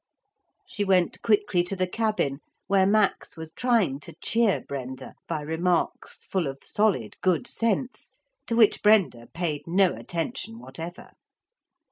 She went quickly to the cabin where Max was trying to cheer Brenda by remarks full of solid good sense, to which Brenda paid no attention whatever.